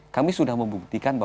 kami sudah membuktikan